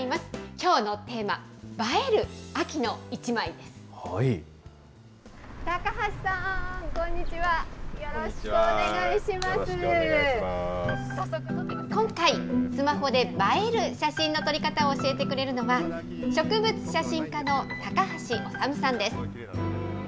きょうのテーマ、今回、スマホで映える写真の撮り方を教えてくれるのは、植物写真家の高橋修さんです。